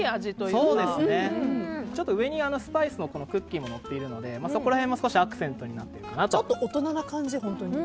上にスパイスクッキーものっているのでそこら辺も少しアクセントになっているかな。